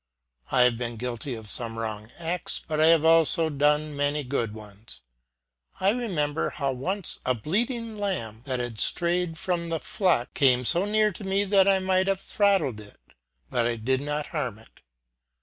I have been guilty of some wrong acts, but I have also done many good ones. I remember how once a bitting lamb, that had strayed from the flock, came so near to me that I might have throttled it ; but I did not harm it.